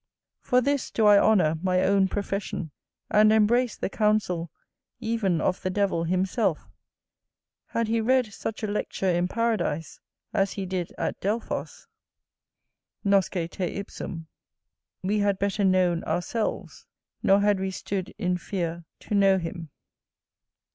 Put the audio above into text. For this do I honour my own profession, and embrace the counsel even of the devil himself: had he read such a lecture in Paradise as he did at Delphos,[D] we had better known ourselves; nor had we stood in fear to know him.